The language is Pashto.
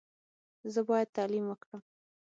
زه باید تعلیم وکړم.